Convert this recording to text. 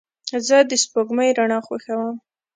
زه د سپوږمۍ رڼا خوښوم.